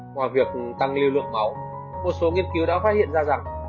qua việc tăng lưu lượng máu một số nghiên cứu đã phát hiện ra rằng